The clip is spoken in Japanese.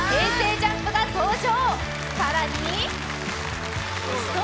ＪＵＭＰが登場！